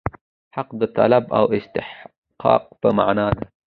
حق د طلب او استحقاق په معنا دی.